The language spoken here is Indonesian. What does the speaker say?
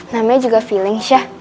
namanya juga feeling syah